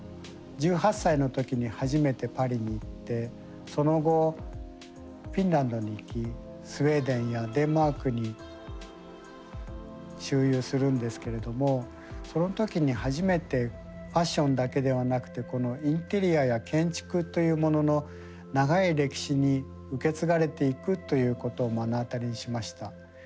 １８歳の時に初めてパリに行ってその後フィンランドに行きスウェーデンやデンマークに周遊するんですけれどもその時に初めてファッションだけではなくてインテリアや建築というものの長い歴史に受け継がれていくということを目の当たりにしました。